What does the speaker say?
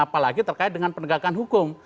apalagi terkait dengan penegakan hukum